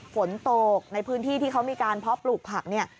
ฝนตกในพื้นที่ที่เขามีการเพาะปลูกผักเนี่ย